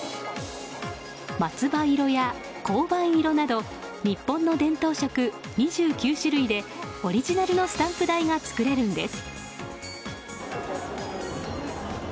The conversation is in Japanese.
松葉色や紅梅色など日本の伝統色２９種類でオリジナルのスタンプ台が作れるんです。